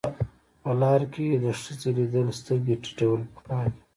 په لار کې د ښځې لیدل سترګې ټیټول پکار دي.